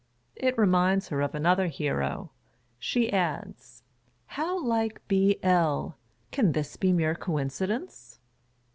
It reminds her of another hero. She adds, " How like B. L.! Can this be mere coincidence